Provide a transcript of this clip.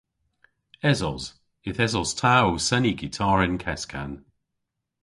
Esos. Yth esos ta ow seni gitar y'n keskan.